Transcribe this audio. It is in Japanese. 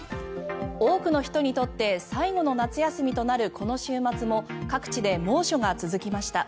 多くの人にとって最後の夏休みとなるこの週末も各地で猛暑が続きました。